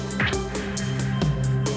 paru aneh cuma atu